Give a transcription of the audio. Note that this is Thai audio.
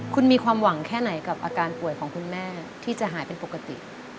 คุณมีความหวังแค่ไหนกับอาการป่วยของคุณแม่ที่จะหายเป็นปกติ